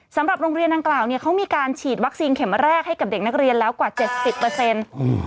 สำหรับโรงเรียนดังกล่าวเนี่ยเขามีการฉีดวัคซีนเข็มแรกให้กับเด็กนักเรียนแล้วกว่าเจ็ดสิบเปอร์เซ็นต์